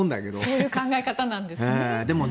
そういう考え方なんですね。